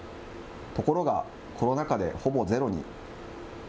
ところが、コロナ禍でほぼゼロに。